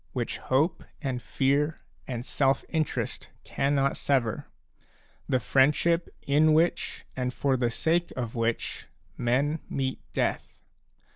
which hope and fear and self interest cannot sever, the friendship in which and for the sake of which men meet death.